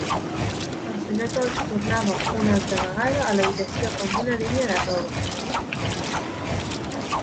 El senyor Tod tornava una altra vegada a l'habitació amb una línia de roba.